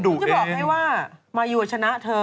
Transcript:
ก็จะบอกให้ว่ามายูชนะเธอ